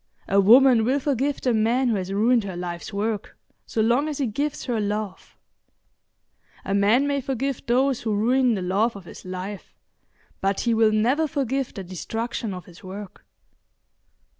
A woman will forgive the man who has ruined her life's work so long as he gives her love; a man may forgive those who ruin the love of his life, but he will never forgive the destruction of his work.